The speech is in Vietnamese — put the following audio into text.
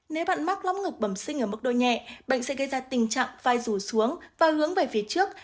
nếu bạn mắc lông ngực bẩm sinh ở mức đôi nhẹ bệnh sẽ gây ra tình trạng vai rù xuống và hướng về phía trước